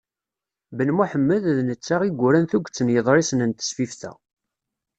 Ben Muḥemmed, d netta i yuran tuget n yiḍrisen n tesfift-a.